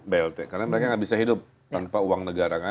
blt karena mereka nggak bisa hidup tanpa uang negara kan